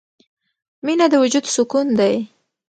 • مینه د وجود سکون دی.